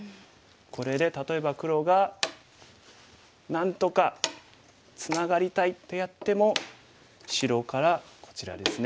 これで例えば黒がなんとかツナがりたいとやっても白からこちらですね。